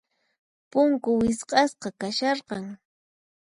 Punku wisq'asqa kasharqan.